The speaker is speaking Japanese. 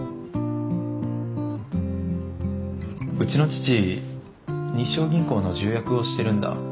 うちの父日章銀行の重役をしてるんだ。